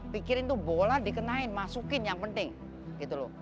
pikirin tuh bola dikenain masukin yang penting gitu loh